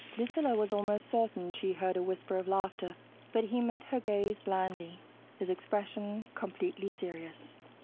Lucilla was almost certain she heard a whisper of laughter, but he met her gaze blandly, his expression completely serious.